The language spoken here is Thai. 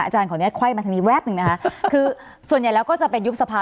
อาจารย์ของเนี้ยไขว้มาทางนี้แว๊บหนึ่งนะฮะคือส่วนใหญ่แล้วก็จะเป็นยุบสภา